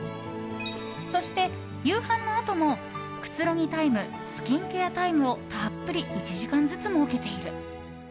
そして、夕飯のあともくつろぎタイムスキンケアタイムをたっぷり１時間ずつ設けている。